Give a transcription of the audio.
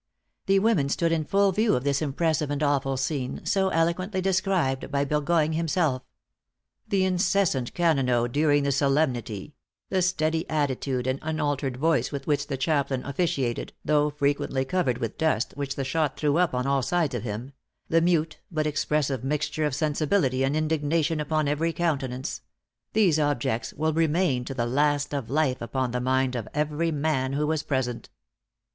The women stood in full view of this impressive and awful scene, so eloquently described by Burgoyne himself: "The incessant cannonode during the solemnity; the steady attitude and unaltered voice with which the chaplain officiated, though frequently covered with dust which the shot threw up on all sides of him; the mute but expressive mixture of sensibility and indignation upon every countenance; these op jects will remain to the last of life upon the mind of every man who was present."